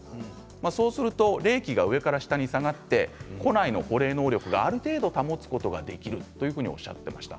そうすると冷気が上から下に下がって庫内の保冷能力をある程度、保つことができるとおっしゃっていました。